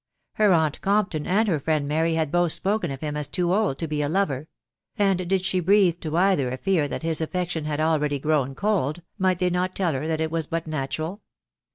Her aunt Compton and her friend Mary had both spoken of him as too old to be a lover ; and did she breathe to either a fear that his affection had already grown cold, might thev not tell her that it was but natural